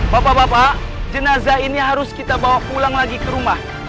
bapak bapak jenazah ini harus kita bawa pulang lagi ke rumah